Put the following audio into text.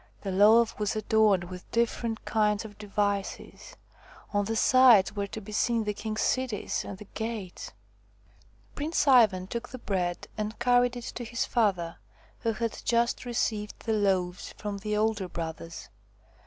The loaf was adorned with different kinds of devices : on the sides were to be seen the king's cities and the gates. Prince Ivan took the bread and carried it to his father, who had just received the loaves from the older brothers.